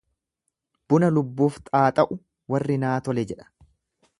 Buna lubbuuf xaaxa'u warri naa tole jedha.